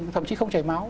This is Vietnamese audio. thậm chí không chảy máu